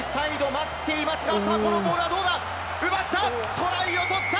トライを取った！